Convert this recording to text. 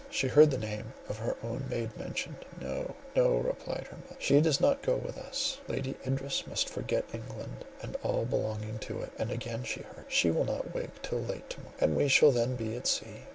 She heard the name of her own maid mentioned;—"No, no," replied her mother, "she does not go with us; Lady Idris must forget England, and all belonging to it." And again she heard, "She will not wake till late to morrow, and we shall then be at sea."